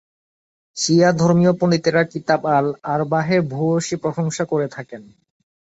শিয়া ধর্মীয় পণ্ডিতেরা কিতাব আল-আরবাহের ভূয়সী প্রশংসা করে থাকেন।